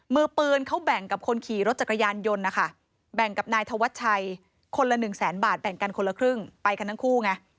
มือปืนเขาแบ่งกับคนขี่รถจักรยานยนต์นะคะแบ่งกับนายธวัชชัยคนละหนึ่งแสนบาทแบ่งกันคนละครึ่งไปกันทั้งคู่ไง